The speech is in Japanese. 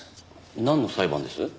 なんの裁判です？